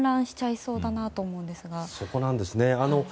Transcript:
そこなんですね。